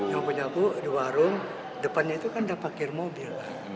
nyapu nyapu di warung depannya itu kan dapat kir mobil